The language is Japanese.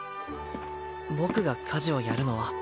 僕が家事をやるのは